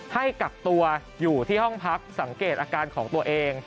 ให้กักตัวอยู่ที่ห้องพักสังเกตอาการของตัวเอง